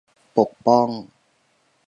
ปกป้อง